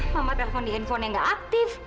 mama telepon di handphone yang nggak aktif